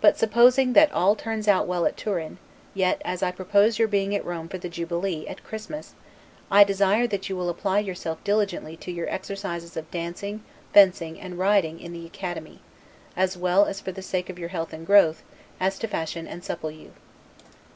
But, supposing that all turns out well at Turin, yet, as I propose your being at Rome for the jubilee, at Christmas, I desire that you will apply yourself diligently to your exercises of dancing, fencing, and riding at the Academy; as well for the sake of your health and growth, as to fashion and supple you.